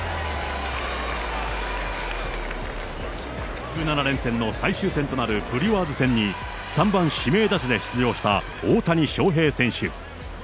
１７連戦の最終戦となるブリュワーズ戦に、３番指名打者で出場した大谷翔平選手。